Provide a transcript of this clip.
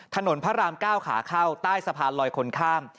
ถนนพระราม๙ขาเข้าใต้สะพานลอยคนข้าม